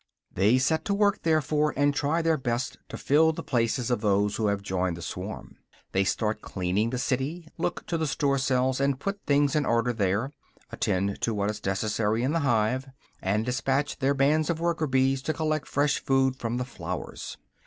They set to work, therefore, and try their best to fill the places of those who have joined the swarm. They start cleaning the city, look to the store cells and put things in order there, attend to what is necessary in the hive, and despatch their bands of worker bees to collect fresh food from the flowers.